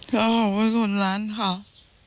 ก็เขาเป็นคนร้านเผ่า